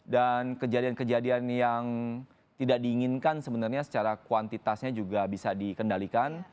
dan kejadian kejadian yang tidak diinginkan sebenarnya secara kuantitasnya juga bisa dikendalikan